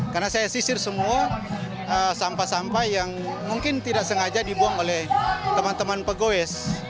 karena saya sisir semua sampah sampah yang mungkin tidak sengaja dibuang oleh teman teman pegawai